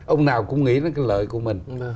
ông nào cũng nghĩ đến cái lợi của mình